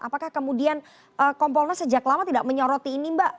apakah kemudian kompolnas sejak lama tidak menyoroti ini mbak